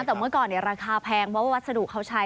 แต่เมื่อก่อนราคาแพงเพราะว่าวัสดุเขาใช้